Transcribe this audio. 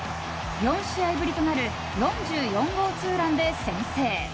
４試合ぶりとなる４４号ツーランで先制。